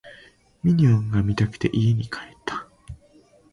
ミニオンが見たくて家に帰った